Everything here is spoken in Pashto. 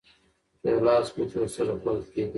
چې د لاس ګوتې ورسره خوړل کېدې.